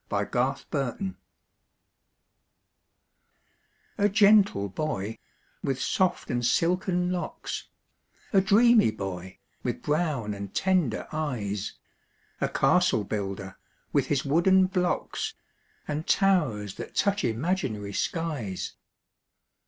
THE CASTLE BUILDER A gentle boy, with soft and silken locks A dreamy boy, with brown and tender eyes, A castle builder, with his wooden blocks, And towers that touch imaginary skies.